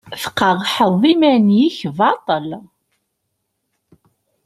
Tqerḥeḍ iman-ik baṭṭel.